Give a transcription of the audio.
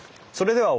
お。